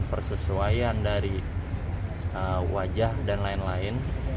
persesuaian dari wajah dan lain lain